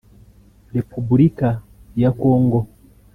Repubulika ya Congo